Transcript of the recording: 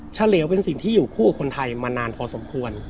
เฉลวเป็นสิ่งที่อยู่คู่กับคนไทยมานานพอสมควร